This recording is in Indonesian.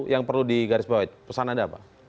yang perlu di garis bawah itu pesan anda apa